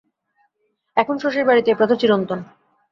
এখন, শশীর বাড়িতে এ প্রথা চিরন্তন।